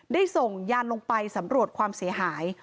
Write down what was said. ได้ส่งยานลงไปสำรวจความเสียหาย